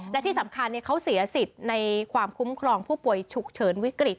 และที่สำคัญเขาเสียสิทธิ์ในความคุ้มครองผู้ป่วยฉุกเฉินวิกฤต